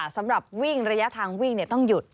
สำหรับวิ่งระยะทางวิ่งต้องหยุด